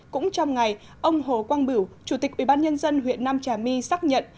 cũng trong ngày ông hồ quang biểu chủ tịch ubnd huyện nam trà my xác nhận